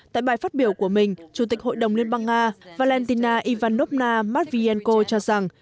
tại bài phát biểu của mình chủ tịch hội đồng liên bang nga valentina ivanovna matvienko cho rằng